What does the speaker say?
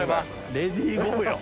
レディーゴーよ。